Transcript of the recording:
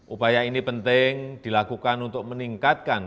upaya ini penting dilakukan untuk meningkatkan